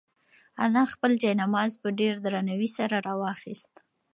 انا خپل جاینماز په ډېر درناوي سره راواخیست.